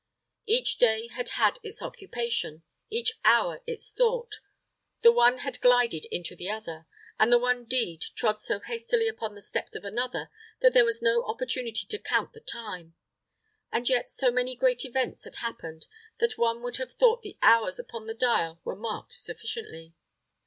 Each day had had its occupation, each hour its thought: the one had glided into the other, and one deed trod so hastily upon the steps of another that there was no opportunity to count the time. And yet so many great events had happened that one would have thought the hours upon the dial were marked sufficiently.